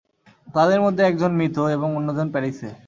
তাদের মধ্যে একজন মৃত এবং অন্যজন প্যারিসে।